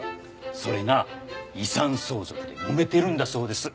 それが遺産相続でもめてるんだそうです。